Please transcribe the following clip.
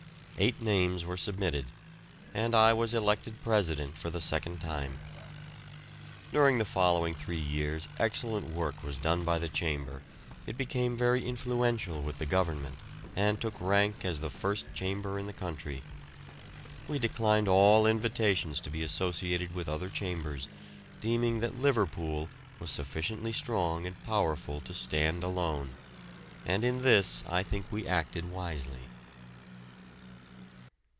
Eight names were submitted, and I was elected president for the second time. During the following three years excellent work was done by the chamber, it became very influential with the Government and took rank as the first chamber in the country. We declined all invitations to be associated with other chambers, deeming that Liverpool was sufficiently strong and powerful to stand alone, and in this I think we acted wisely.